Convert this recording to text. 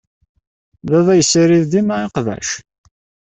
Baba yessirid dima iqbac.